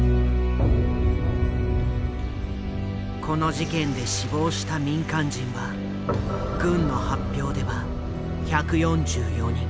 この事件で死亡した民間人は軍の発表では１４４人。